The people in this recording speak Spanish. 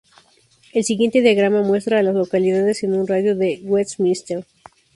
El siguiente diagrama muestra a las localidades en un radio de de Westminster.